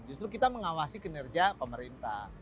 justru kita mengawasi kinerja pemerintah